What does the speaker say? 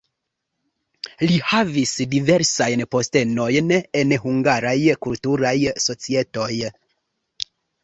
Li havis diversajn postenojn en hungaraj kulturaj societoj.